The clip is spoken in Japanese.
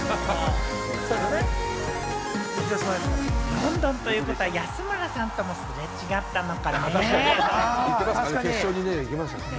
ロンドンということは、安村さんともすれ違ったのかもね。